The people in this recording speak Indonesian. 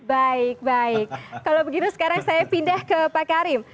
baik baik kalau begitu sekarang saya pindah ke pak karim